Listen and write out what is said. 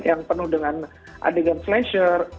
yang penuh dengan adegan pleasure